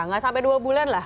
nggak sampai dua bulan lah